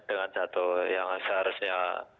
dengan satu yang seharusnya